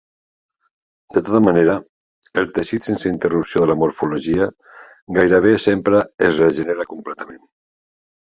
De tota manera, el teixit sense interrupció de la morfologia gairebé sempre es regenera completament.